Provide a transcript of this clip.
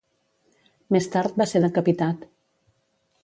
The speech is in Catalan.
Més tard va ser decapitat.